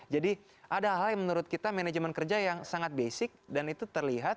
jadi ada hal yang menurut kita manajemen kerja yang sangat basic dan itu terlihat